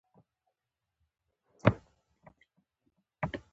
شاوخوا لس بجې وې.